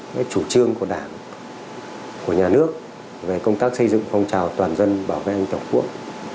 cái chủ trương của đảng của nhà nước về công tác xây dựng phong trào toàn dân bảo vệ an toàn quốc